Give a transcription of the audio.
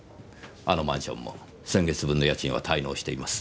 あのマンションも先月分の家賃は滞納しています。